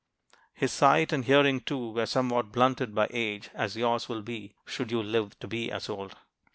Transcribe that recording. His sight, and hearing, too, were somewhat blunted by age, as yours will be should you live to be as old.